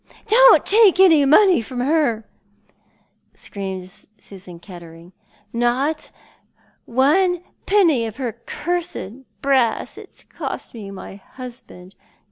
*' Don't take any money from her," screamed Susan Kettering. " Not one penny of her cursed brass. It's cost me my husband.